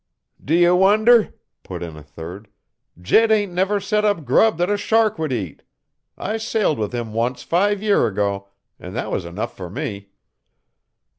"D'ye wonder?" put in a third. "Jed ain't never set up grub that a shark would eat. I sailed with him once five year ago, an' that was enough fer me."